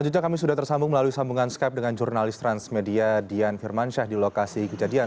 selanjutnya kami sudah tersambung melalui sambungan skype dengan jurnalis transmedia dian firmansyah di lokasi kejadian